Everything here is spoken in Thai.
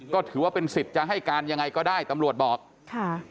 ก็ถือว่าเป็นสิทธิ์จะให้การยังไงก็ได้ตำรวจบอกค่ะ